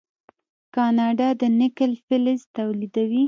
کاناډا د نکل فلز تولیدوي.